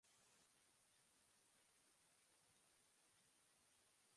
The bridegroom gave them a running start and then followed hotfoot.